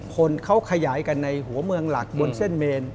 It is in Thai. คนเขาขยายกันในหัวเมืองหลักบนเส้นเมน